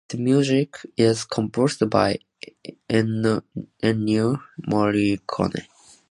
The music is composed by Ennio Morricone.